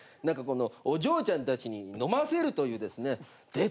何かこのお嬢ちゃんたちに飲ませるというですね